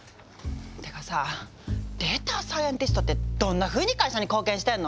てかさデータサイエンティストってどんなふうに会社に貢献してんの？